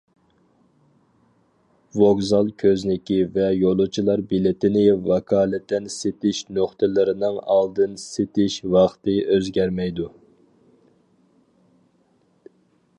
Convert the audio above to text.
ۋوگزال كۆزنىكى ۋە يولۇچىلار بېلىتىنى ۋاكالىتەن سېتىش نۇقتىلىرىنىڭ ئالدىن سېتىش ۋاقتى ئۆزگەرمەيدۇ.